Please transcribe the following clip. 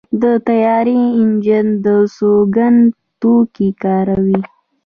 د طیارې انجن د سونګ توکي کاروي.